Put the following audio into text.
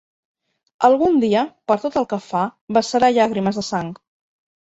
Algun dia, per tot el que fa, vessarà llàgrimes de sang.